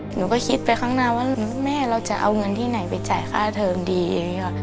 หนูก็คิดไปข้างหน้าว่าแม่เราจะเอาเงินที่ไหนไปจ่ายค่าเทิมดี